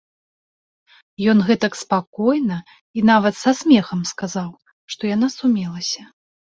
Ён гэтак спакойна і нават са смехам сказаў, што яна сумелася.